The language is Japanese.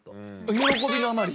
喜びのあまり？